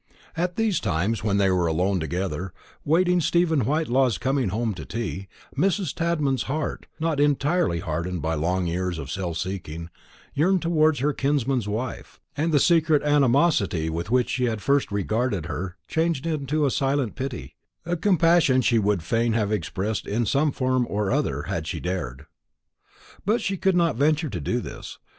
At these times, when they were alone together, waiting Stephen Whitelaw's coming home to tea, Mrs. Tadman's heart, not entirely hardened by long years of self seeking, yearned towards her kinsman's wife; and the secret animosity with which she had at first regarded her changed to a silent pity, a compassion she would fain have expressed in some form or other, had she dared. But she could not venture to do this.